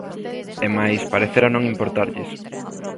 E mais, parecera non importarlles.